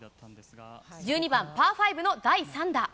１２番パー５の第３打。